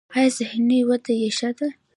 ایا ذهني وده یې ښه ده؟